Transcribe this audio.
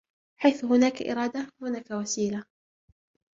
حيث هناك إرادة هناك وسيلة.